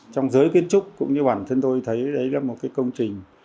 trong giới kiến trúc cũng như bản thân tôi thấy đấy là một cái công trình